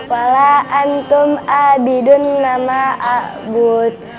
wala'antum abidun nama'abud